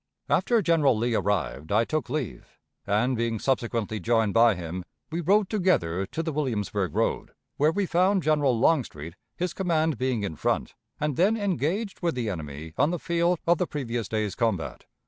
After General Lee arrived, I took leave, and, being subsequently joined by him, we rode together to the Williamsburg road, where we found General Longstreet, his command being in front, and then engaged with the enemy on the field of the previous day's combat.